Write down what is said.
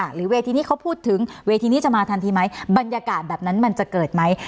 หรือเวทีนี้เขาพูดถึงเวทีนี้จะมาทันทีไหมบรรยากาศแบบนั้นมันจะเกิดไหม